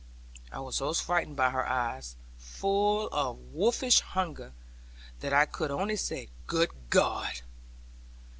I was so frightened by her eyes, full of wolfish hunger, that I could only say 'Good God!'